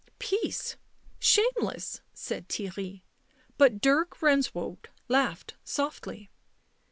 " Peace, shameless," said Theirry, but Dirk Benswoude laughed softly.